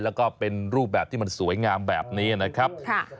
แล้วก็เป็นรูปแบบที่มันสวยงามแบบนี้นะครับ